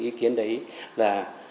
ý kiến đấy là